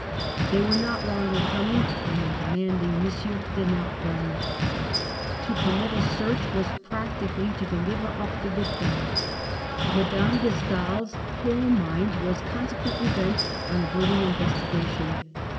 They were not long in coming and in demanding M. de Narbonne. To permit a search was practi cally to deliver up the victim. Madame de Stael's whole mind was consequently bent on averting investigation.